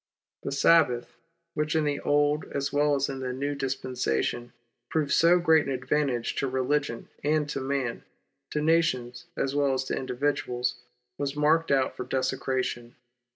The Sabbath .which in the Old as well as in the New Dispensation, proved so great an advantage to religion and to man — to nations as well as to individuals — was marked out for desecration.